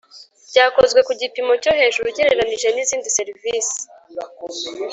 Byakozwe ku gipimo cyo hejuru ugereranije n ‘izindi serivisi.